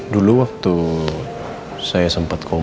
dulu waktu saya sempat komunikasi